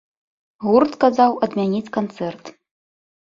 Гурт сказаў адмяніць канцэрт.